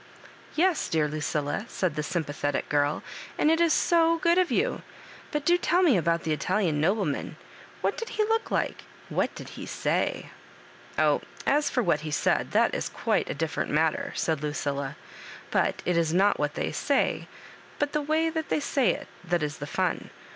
"Yes, dear Lucilla," said the Sympathetic giri, '• and it is so good of you ; but do tell me about the Italian nobleman — ^what did he look like — what did he say ?" ''Oh, as for what he said, that is quite a Digitized by VjOOQIC 8 MISB KABJOBIBANKS. different matter," said Lucilla; "but it is not what they say, but the way they say it, that is the fun.